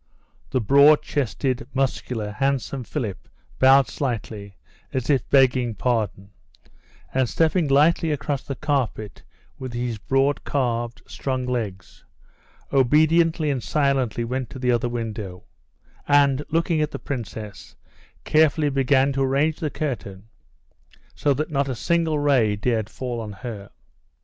The broad chested, muscular, handsome Philip bowed slightly, as if begging pardon; and stepping lightly across the carpet with his broad calved, strong, legs, obediently and silently went to the other window, and, looking at the princess, carefully began to arrange the curtain so that not a single ray dared fall on her.